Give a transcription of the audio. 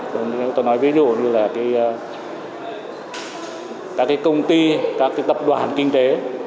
tôi nói ví dụ như là các cái công ty các tập đoàn kinh tế